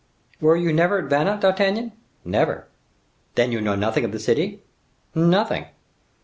"Were you never at Vannes, D'Artagnan?" "Never." "Then you know nothing of the city?" "Nothing."